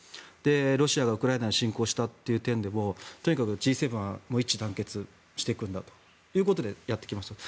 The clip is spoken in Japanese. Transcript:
ロシアがウクライナに侵攻したという点でもとにかくＧ７は一致団結していくんだということでやってきましたと。